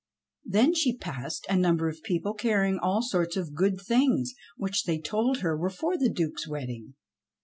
Then she passed a number of people carrying all sorts of good things which they told her were for the Duke's wedding.